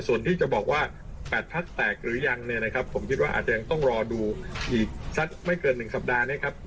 ส่วนที่จะบอกว่า๘พักฯแตกหรือยังผมคิดว่าอาจจะต้องรอดูอีกสักไม่เกิน๑สัปดาห์